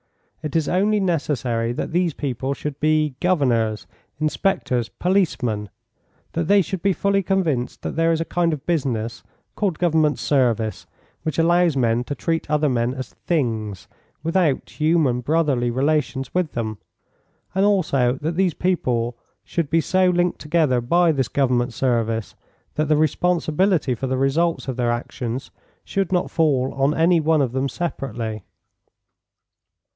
It is only necessary that these people should he governors, inspectors, policemen; that they should be fully convinced that there is a kind of business, called government service, which allows men to treat other men as things, without human brotherly relations with them, and also that these people should be so linked together by this government service that the responsibility for the results of their actions should not fall on any one of them separately.